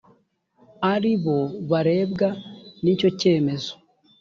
ari bo barebwa n icyo kemezo